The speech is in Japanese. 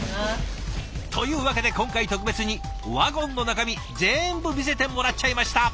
というわけで今回特別にワゴンの中身全部見せてもらっちゃいました！